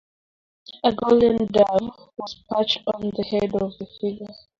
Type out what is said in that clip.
A golden dove was perched on the head of the figure.